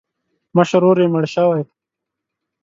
مشر ورور یې مړ شوی.